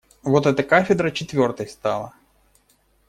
Вот эта кафедра четвертой стала.